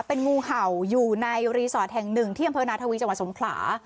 เป็นงูเห่าอยู่ในรีสอร์ทแห่งหนึ่งที่อำเภอนาธวีจังหวัดสงขลา